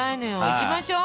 いきましょう！